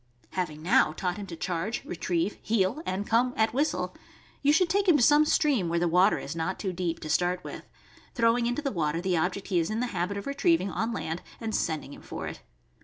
Having now taught him to charge, retrieve, heel, and come at whistle, you should take him to some stream, where the water is not too deep, to start with, throwing into the water the object he is in the habit of retrieving on land and sending him for it.